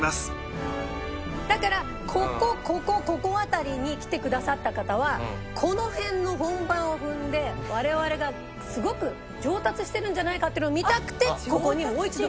だからここここここ辺りに来てくださった方はこの辺の本番を踏んで我々がすごく上達してるんじゃないかっていうのを見たくてここにもう一度来る。